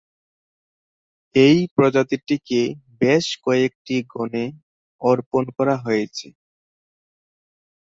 এই প্রজাতিটিকে বেশকয়েকটি গণে অর্পণ করা হয়েছে।